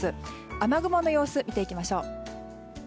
雨雲の様子を見ていきましょう。